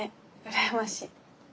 羨ましい。